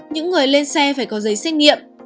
những người lên xe phải có giấy xét nghiệm